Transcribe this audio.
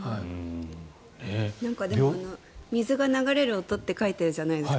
でも、水が流れる音って書いてあるじゃないですか。